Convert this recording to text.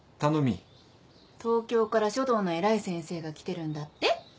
東京から書道の偉い先生が来てるんだって？